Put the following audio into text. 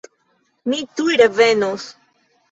Mi tuj revenos.